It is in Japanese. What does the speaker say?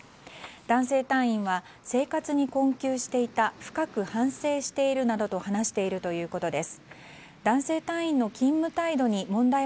男性隊員は、生活に困窮していた深く反省しているなどと話しているということです。